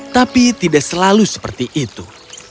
tapi tidak selalu seperti itu